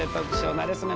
なれそめ」